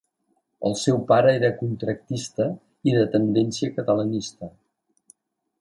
El seu pare era contractista i de tendència catalanista.